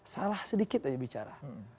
salah sedikit aja bicara